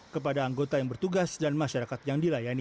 kepada anggota yang bertugas dan masyarakat yang dilayani